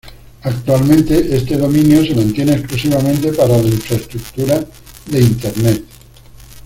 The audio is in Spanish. Actualmente este dominio se mantiene exclusivamente para la infraestructura de Internet.